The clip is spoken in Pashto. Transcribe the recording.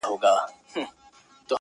د تورو شپو په توره دربه کي به ځان وسوځم,